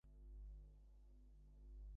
না, ভয় করে নি।